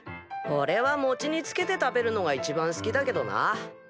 おれはもちにつけて食べるのが一番好きだけどな。